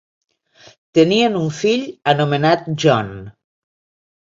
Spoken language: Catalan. Tenien un fill anomenat John.